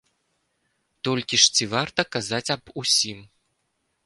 Толькі ж ці варта казаць аб усім?